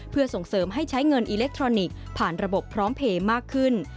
เพื่อส่งเสริมให้ใช้เงินอิเล็กทรอนิกส์ผ่านระบบพร้อมเพลย์มากขึ้น